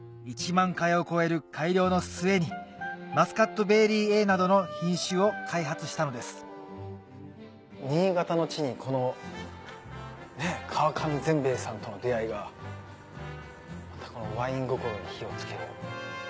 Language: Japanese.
１万回を超える改良の末になどの品種を開発したのです新潟の地にこのね川上善兵衛さんとの出会いがまたこのワイン心に火を付ける。